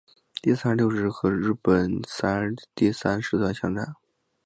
第三十六师与日军第三师团巷战。